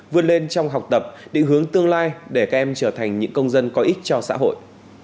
vươn lên trong học tập định hướng tương lai để các em trở thành những công dân có ích cho xã hội